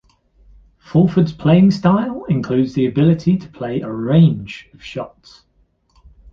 Fulford's playing style includes the ability to play a range of shots.